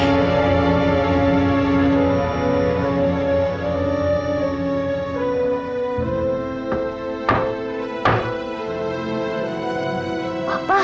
terus abang bantu